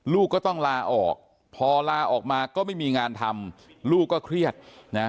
ลูกก็ต้องลาออกพอลาออกมาก็ไม่มีงานทำลูกก็เครียดนะ